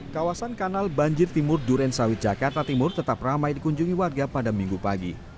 kawasan kanal banjir timur durensawit jakarta timur tetap ramai dikunjungi warga pada minggu pagi